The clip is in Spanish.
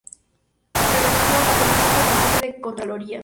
Perteneció a la Comisión Permanente de Contraloría.